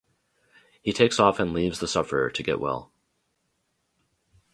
He takes off and leaves the sufferer to get well.